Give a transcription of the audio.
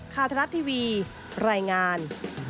ทรัฐทีวีรายงาน